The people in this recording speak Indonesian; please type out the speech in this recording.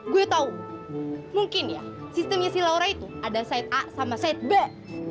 gue tau mungkin ya sistemnya si laura itu ada side a sama side b